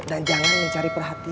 dan jangan mencari perhatian